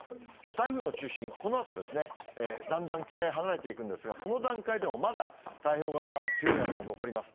台風の中心、このあと、だんだん北へ離れていくんですが、その段階でもまだ太平洋側、強い雨が残ります。